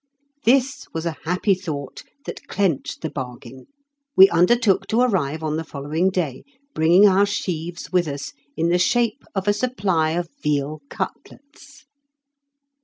This was a happy thought that clenched the bargain. We undertook to arrive on the following day, bringing our sheaves with us, in the shape of a supply of veal cutlets.